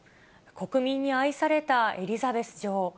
国民に愛されたエリザベス女王。